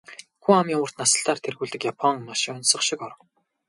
Хүн амын урт наслалтаар тэргүүлдэг Япон маш оньсого шиг орон.